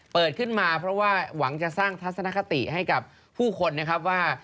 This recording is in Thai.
ขึ้นมาเพราะว่าหวังจะสร้างทัศนคติให้กับผู้คนนะครับว่า